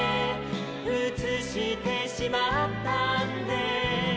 「うつしてしまったんですル・ル」